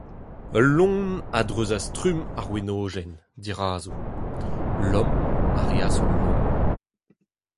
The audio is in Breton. Ul loen a dreuzas trumm ar wenodenn, dirazo. Lom a reas ul lamm.